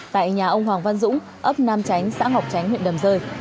tại nhà ông hoàng văn dũng ấp nam chánh xã ngọc tránh huyện đầm rơi